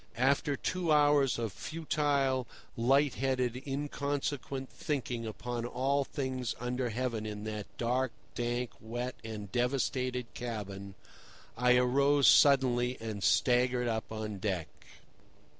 After two hours of futile, light headed, inconsequent thinking upon all things under heaven in that dark, dank, wet and devastated cabin, I arose suddenly and staggered up on deck.